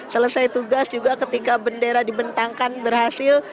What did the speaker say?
selesai tugas juga ketika bendera dibentangkan berhasil